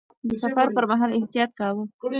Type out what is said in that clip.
د سفر پر مهال احتياط کاوه.